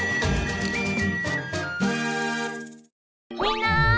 みんな！